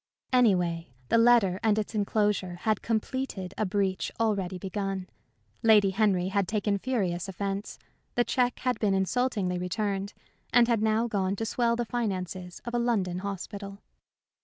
Anyway, the letter and its enclosure had completed a breach already begun. Lady Henry had taken furious offence; the check had been insultingly returned, and had now gone to swell the finances of a London hospital.